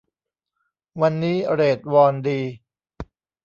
วันนี้เรทวอนดี